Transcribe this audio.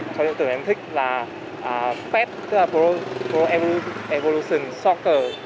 trò chơi mà em thích là pes tức là pro evolution soccer